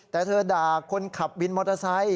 แต่เธอด่าคนขับวินมอเตอร์ไซค์